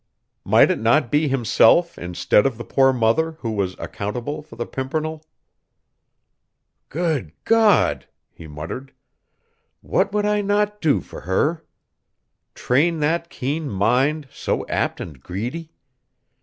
Might it not be himself, instead of the poor mother, who was accountable for the Pimpernel? "Good God!" he muttered; "what would I not do for her? Train that keen mind, so apt and greedy!